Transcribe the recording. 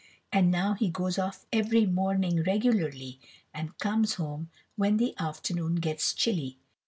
And now he goes off every morning regularly, and comes home when the afternoon gets chilly.